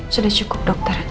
sudah cukup dokter